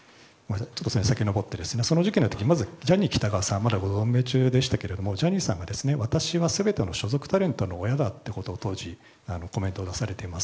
その時期、ジャニー喜多川さんまだご存命でしたけどジャニーさんが私は全ての所属タレントの親だということを当時コメントを出されています。